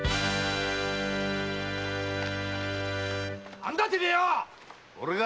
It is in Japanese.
何だてめえは⁉俺か？